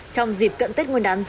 trong đẹp này mấy ông